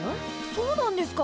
そうなんですか？